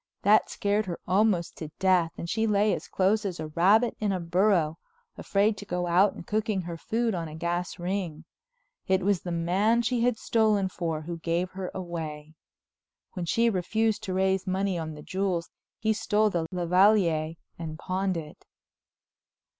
That scared her almost to death and she lay as close as a rabbit in a burrow, afraid to go out and cooking her food on a gas ring. It was the man she had stolen for who gave her away. When she refused to raise money on the jewels, he stole the lavalliere and pawned it.